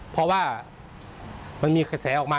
เพราะว่ามันมีกระแสออกมา